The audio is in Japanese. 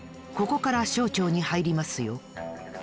ここから小腸にはいりますよ。